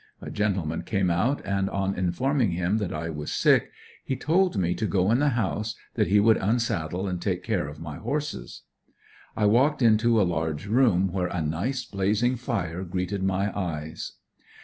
A gentleman came out, and on informing him that I was sick, he told me to go in the house, that he would unsaddle and take care of my horses. I walked into a large room where a nice blazing fire greeted my eyes.